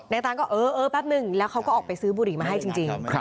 ตานก็เออเออแป๊บนึงแล้วเขาก็ออกไปซื้อบุหรี่มาให้จริง